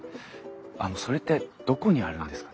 あのそれってどこにあるんですか？